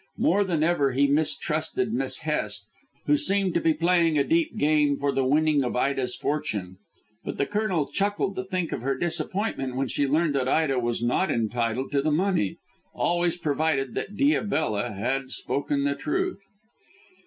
More than ever he mistrusted Miss Hest, who seemed to be playing a deep game for the winning of Ida's fortune. But the Colonel chuckled to think of her disappointment when she learned that Ida was not entitled to the money, always provided that Diabella had spoken the truth.